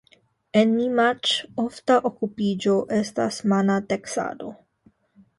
En Nimaĉ ofta okupiĝo estas mana teksado.